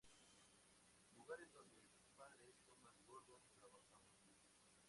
Lugar en dónde su padre, Thomas Gordon, trabajaba.